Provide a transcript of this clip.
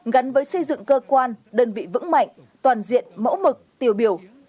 gắn với xây dựng cơ quan đơn vị vững mạnh toàn diện mẫu mực tiêu biểu